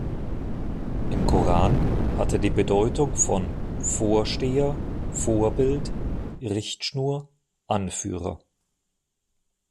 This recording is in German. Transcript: Im Koran hat er die Bedeutung von „Vorsteher, Vorbild, Richtschnur, Anführer“.